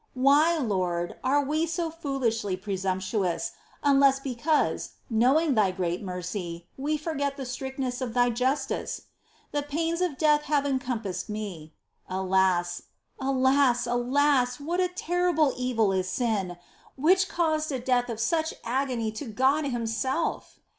Why, Lord, are we so foolishly presumptuous, unless because, knowing Thy great mercy, we forget the strictness of Thy justice ?" The pains of death have encompassed me." ^ Alas, alas, alas ! What a terrible evil is sin, which caused a death of such agony to God Himself